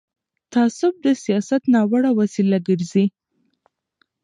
تعصب د سیاست ناوړه وسیله ګرځي